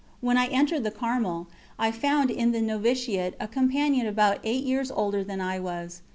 When I entered the Carmel, I found in the noviciate a companion about eight years older than I was.